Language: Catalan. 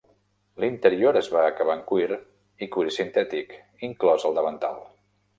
L'interior es va acabar en cuir i cuir sintètic, inclòs el davantal.